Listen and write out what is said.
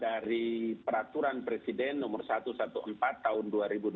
dari peraturan presiden nomor satu ratus empat belas tahun dua ribu dua puluh